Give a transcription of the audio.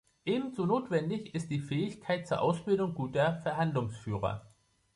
Ebenso notwendig ist die Fähigkeit zur Ausbildung guter Verhandlungsführer.